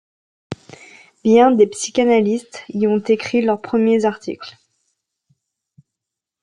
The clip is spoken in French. Bien des psychanalystes y ont écrit leurs premiers articles.